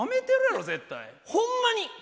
ホンマに！